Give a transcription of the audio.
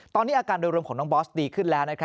ตอนนี้อาการโดยรวมของน้องบอสดีขึ้นแล้ว